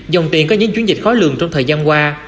dòng tiền có những chiến dịch khó lường trong thời gian qua